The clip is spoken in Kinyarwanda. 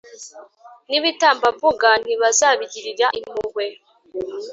n’ibitambambuga ntibazabigirira impuhwe.